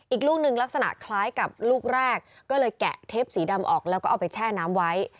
อีกลูกหนึ่งลักษณะคล้ายกับลูกแรกก็เลยแกะเทปสีดำออกแล้วก็เอาไปแช่น้ำไว้